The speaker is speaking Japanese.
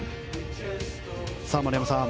丸山さん